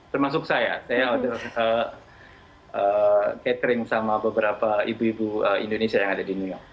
termasuk saya saya order catering sama beberapa ibu ibu indonesia yang ada di new york